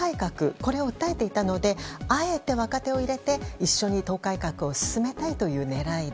これを訴えていたのであえて若手を入れて一緒に党改革を進めたいという狙いだ。